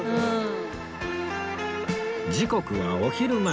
時刻はお昼前